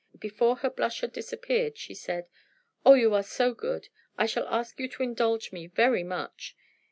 Before her blush had disappeared she said: "Oh, you are so good; I shall ask you to indulge me very much.